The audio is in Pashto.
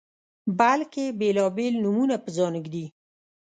بلکې بیلابیل نومونه په ځان ږدي